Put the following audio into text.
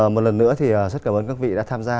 một lần nữa thì rất cảm ơn các vị đã tham gia